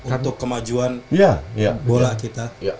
untuk kemajuan bola kita